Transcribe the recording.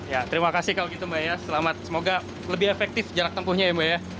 ya terima kasih kalau gitu mbak ya selamat semoga lebih efektif jarak tempuhnya ya mbak ya